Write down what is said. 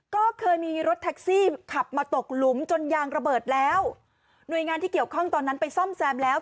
ก็เคยมีรถแท็กซี่ขับมาตกหลุมจนยางระเบิดแล้วหน่วยงานที่เกี่ยวข้องตอนนั้นไปซ่อมแซมแล้ว